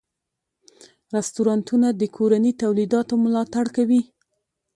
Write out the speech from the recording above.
رستورانتونه د کورني تولیداتو ملاتړ کوي.